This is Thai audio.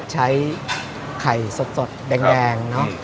ใช้ไข่สดแดงเนอะ